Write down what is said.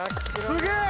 すげえ！